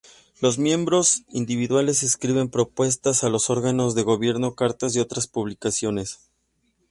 Los miembros individuales escriben propuestas a los órganos de gobierno, cartas y otras publicaciones.